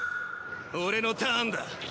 俺のターンだ。